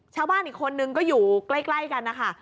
ชาวบ้านอีกคนนึงก็อยู่ใกล้กันนะคะ